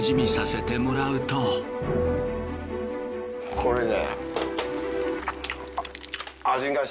これね。